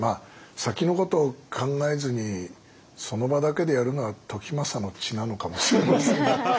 先のことを考えずにその場だけでやるのは時政の血なのかもしれませんね。